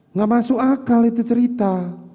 nggak masuk akal itu cerita